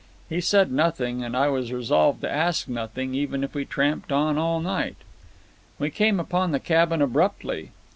He said nothing, and I was resolved to ask nothing, even if we tramped on all night. We came upon the cabin abruptly.